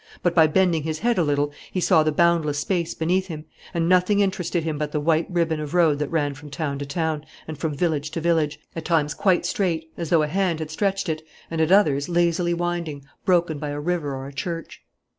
But, by bending his head a little, he saw the boundless space beneath him; and nothing interested him but the white ribbon of road that ran from town to town and from village to village, at times quite straight, as though a hand had stretched it, and at others lazily winding, broken by a river or a church.